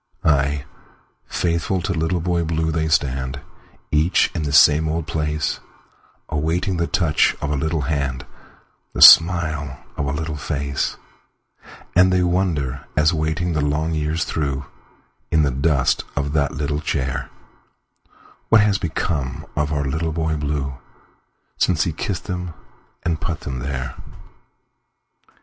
Ay, faithful to Little Boy Blue they stand, Each in the same old place, Awaiting the touch of a little hand, The smile of a little face; And they wonder, as waiting the long years throughIn the dust of that little chair, What has become of our Little Boy Blue, Since he kissed them and put them there.